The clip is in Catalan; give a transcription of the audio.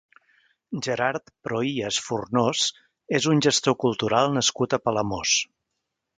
Gerard Prohias Fornós és un gestor cultural nascut a Palamós.